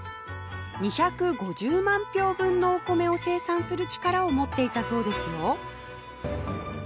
２５０万俵分のお米を生産する力を持っていたそうですよ